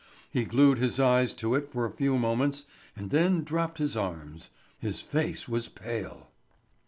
He glued his eyes to it for a few moments and then dropped his arms. His face was pale.